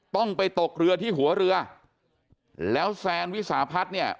ต้องไปตกเรือที่หัวเรือแล้วแซนวิสาพัฒน์เนี่ย